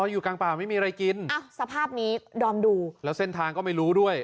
อยู่กลางป่าไม่มีอะไรกินอ้าวสภาพนี้ดอมดูแล้วเส้นทางก็ไม่รู้ด้วย